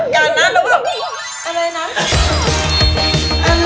การนั้นแล้วก็แบบอะไรนะ